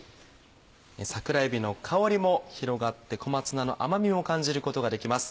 桜えびの香りも広がって小松菜の甘みも感じることができます。